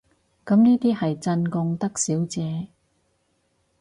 咁呢啲係進貢得少姐